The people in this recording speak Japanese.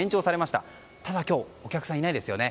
ただ今日お客さんいないですよね。